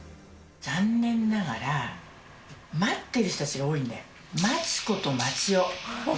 残念ながら、待ってる人たちが多いんで、待ち子と待ち男。